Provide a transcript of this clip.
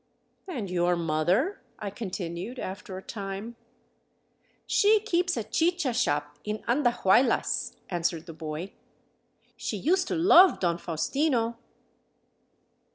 " And your mother? " I continued after a time. " She keeps a chicha shop in Andahu^ylas," answered the boy. " She used to love Don Faustino."